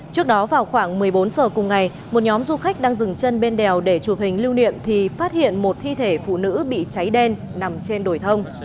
trước đó vào khoảng một mươi bốn h cùng ngày một nhóm du khách đang dừng chân bên đèo để chụp hình lưu niệm thì phát hiện một thi thể phụ nữ bị cháy đen nằm trên đồi thông